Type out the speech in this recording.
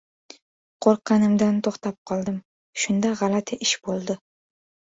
Qo‘rqqanimdan to‘xtab qoldim. Shunda g‘alati ish bo‘ldi.